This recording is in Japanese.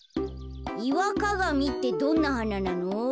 イワカガミってどんなはななの？